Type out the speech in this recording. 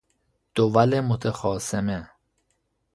دول متخاصمه